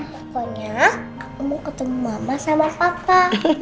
pokoknya aku mau ketemu mama sama papa